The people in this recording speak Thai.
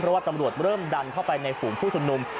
เพราะว่าตำรวจเริ่มดันเข้าไปในฝูงผู้ชุมนุม